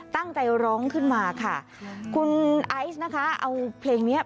ตั้งใจร้องขึ้นมาค่ะคุณไอซ์นะคะเอาเพลงเนี้ย